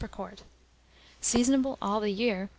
per quart. Seasonable all the year.